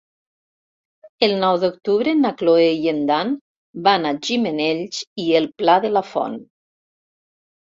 El nou d'octubre na Cloè i en Dan van a Gimenells i el Pla de la Font.